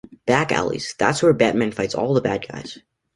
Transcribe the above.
Back alleys, that's where Batman fights all the bad guys.